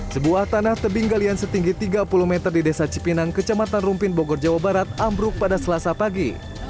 sebuah tanah tebing galian setinggi tiga puluh meter di desa cipinang kecamatan rumpin bogor jawa barat ambruk pada selasa pagi